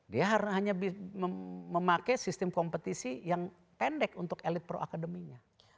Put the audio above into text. dia hanya memakai sistem kompetisi yang pendek untuk elit pro academy nya